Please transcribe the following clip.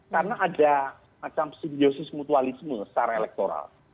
karena ada macam simbiosis mutualisme secara elektoral